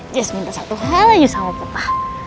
just minta satu hal aja sama papa